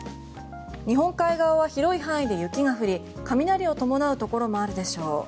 日本海側は広い範囲で雪が降り雷を伴うところもあるでしょう。